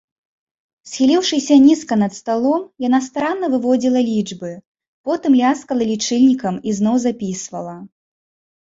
Схіліўшыся нізка над сталом, яна старанна выводзіла лічбы, потым ляскала лічыльнікам і зноў запісвала.